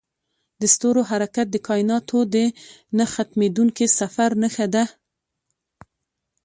د ستورو حرکت د کایناتو د نه ختمیدونکي سفر نښه ده.